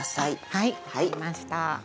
はい分かりました。